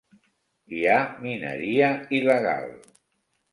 Hi ha mineria il·legal.